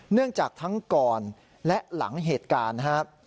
เนื่องจากทั้งก่อนและหลังเหตุการณ์นะครับ